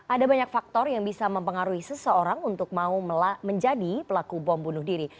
ada banyak faktor yang bisa mempengaruhi seseorang untuk mau menjadi pelaku bom bunuh diri